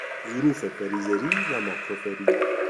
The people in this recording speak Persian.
ظروف فریزری و ماکروفری